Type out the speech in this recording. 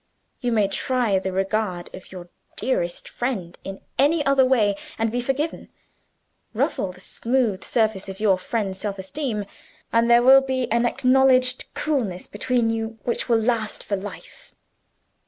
You may try the regard of your dearest friend in any other way, and be forgiven. Ruffle the smooth surface of your friend's self esteem and there will be an acknowledged coolness between you which will last for life.